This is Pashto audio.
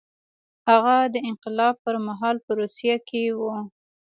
هغه د انقلاب پر مهال په روسیه کې و.